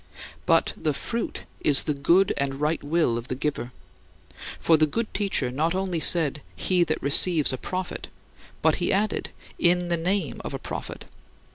But "the fruit" is the good and right will of the giver. For the good Teacher not only said, "He that receives a prophet," but he added, "In the name of a prophet."